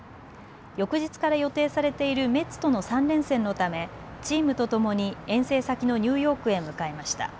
翌日から予定されているメッツとの３連戦のためチームとともに遠征先のニューヨークへ向かいました。